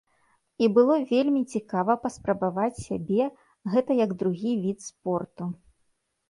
І было вельмі цікава паспрабаваць сябе, гэта як другі від спорту.